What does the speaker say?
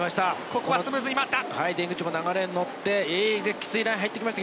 ここはスムーズに回った。